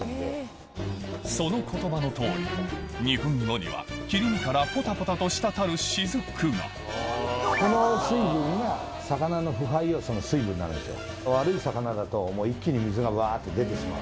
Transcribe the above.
その言葉の通り２分後には切り身からポタポタと滴る滴がこの水分が魚の腐敗要素の水分なんですよ。